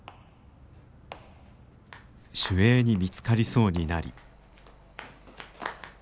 守衛に見つかりそうになり。